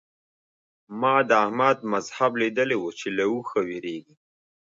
ما د احمد مذهب ليدلی وو چې له اوخه وېرېږي.